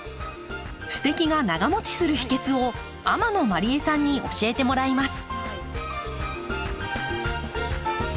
すてきが長もちする秘訣を天野麻里絵さんに教えてもらいます。